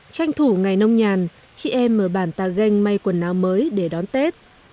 tranh thủ ngày nông nhàn chị em mở bàn tà ganh mây quần áo mới để đón tết